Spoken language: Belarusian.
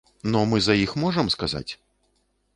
Ну мы за іх можам сказаць?